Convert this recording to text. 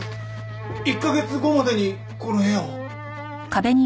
１カ月後までにこの部屋を？